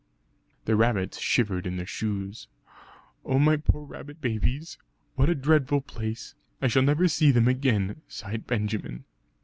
The rabbits shivered in their shoes. "Oh my poor rabbit babies! What a dreadful place; I shall never see them again!" sighed Benjamin.